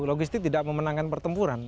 logistik tidak memenangkan pertempuran